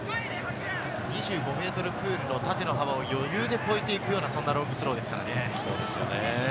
２５ｍプールの縦の幅を余裕で超えていくようなロングスローです。